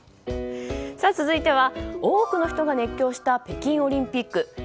続いては、多くの人が熱狂した北京オリンピック。